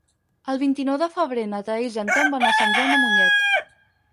El vint-i-nou de febrer na Thaís i en Tom van a Sant Joan de Mollet.